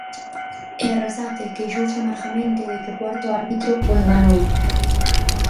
E Arrasate queixouse amargamente de que o cuarto árbitro o enganou.